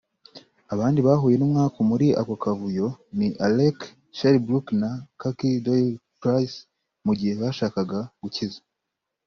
Abandi bahuye n’umwaku muri ako kavuyo ni Alec Shelbrooke na Kackie Doyle-Price mu gihe bashakaga gukiza